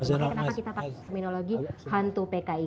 kenapa kita terminologi hantu pki